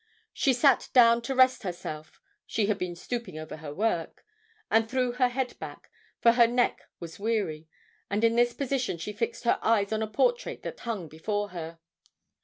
She sat down to rest herself she had been stooping over her work and threw her head back, for her neck was weary, and in this position she fixed her eyes on a portrait that hung before her.